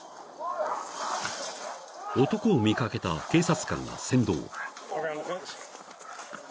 ［男を見掛けた警察官が先導］